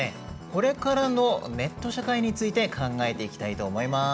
「これからのネット社会」について考えていきたいと思います。